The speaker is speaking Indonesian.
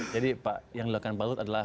jadi yang dilakukan baru adalah